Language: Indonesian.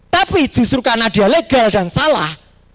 tapi justru karena dia legal dan salah